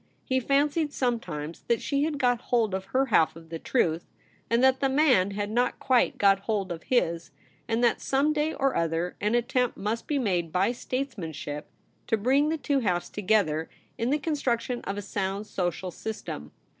He fancied sometimes that she had got hold of her half of the truth, and that the man had not quite got hold of his, and that some day or other an attempt must be made by statesmanship to bring the two halves to gether in the construction of a sound social system.